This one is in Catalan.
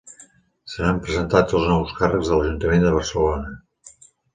Seran presentats els nous càrrecs de l'Ajuntament de Barcelona